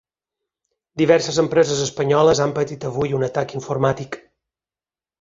Diverses empreses espanyoles han patit avui un atac informàtic.